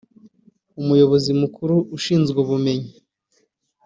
umuyobozi mukuru ushinzwe ubumenyi